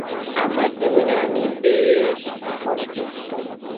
আমার জীবনে আমি বেশ সন্তুষ্ট।